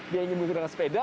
dia ingin menggunakan sepeda